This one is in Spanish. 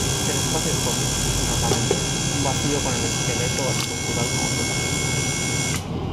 El espacio es sobrio, sin ornamentos, un vacío con el esqueleto estructural como protagonista.